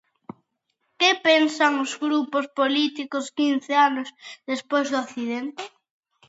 Que pensan os grupos políticos quince anos despois do accidente?